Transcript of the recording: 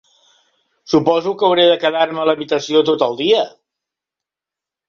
Suposo que hauré de quedar-me a l'habitació tot el dia!